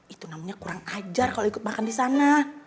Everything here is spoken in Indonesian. itu namanya kurang ajar kalau ikut makan di sana